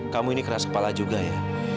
kamu ini keras kepala juga ya